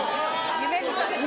夢見さして。